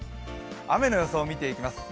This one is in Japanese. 雨の予想見ていきます、